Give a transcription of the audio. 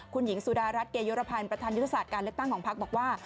คุณหญิงสุดารัฐเกยุรพันธ์ประธานยุทธศาสตร์การเลือกตั้งของพักบอกว่า